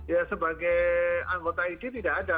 ya sebagai anggota idi tidak ada